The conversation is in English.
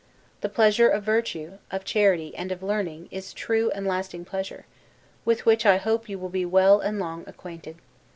The pleasure of virtue, of charity, and of learning is true and lasting pleasure; with which I hope you will be well and long acquainted.